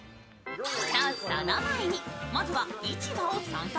とその前に市場を散策。